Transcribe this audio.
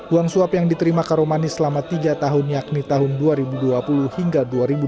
uang suap yang diterima karomani selama tiga tahun yakni tahun dua ribu dua puluh hingga dua ribu dua puluh